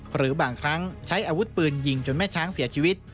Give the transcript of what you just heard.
หรือบางครั้งใช้อาวุธปืนยิงจนแม่ช้างเสียชีวิต